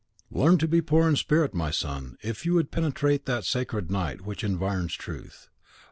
Learn to be poor in spirit, my son, if you would penetrate that sacred night which environs truth.